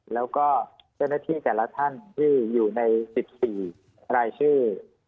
แล้วก็เจ้าหน้าที่แต่ละท่านที่อยู่ใน๑๔รายชื่อ